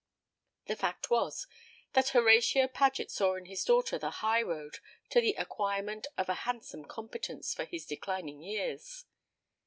The fact was, that Horatio Paget saw in his daughter the high road to the acquirement of a handsome competence for his declining years.